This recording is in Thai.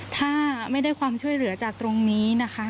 ถ้าไม่ได้ความช่วยเหลือจากตรงนี้นะคะ